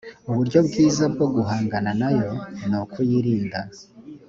uburyo bwiza bwo guhangana nayo nukuyirinda